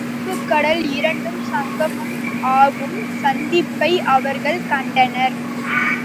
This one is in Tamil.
அன்புக்கடல் இரண்டும் சங்கமம் ஆகும் சந்திப்பை அவர்கள் கண்டனர்.